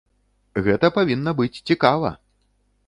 Гэта павінна быць цікава!